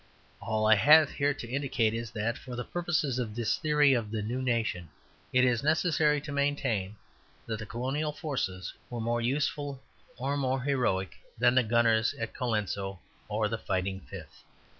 All I have here to indicate is that, for the purposes of this theory of the new nation, it is necessary to maintain that the colonial forces were more useful or more heroic than the gunners at Colenso or the Fighting Fifth.